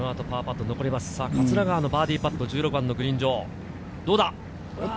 桂川のバーディーパット、１６番のグリーン上。